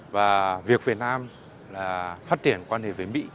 và việc việt nam phát triển quan hệ với mỹ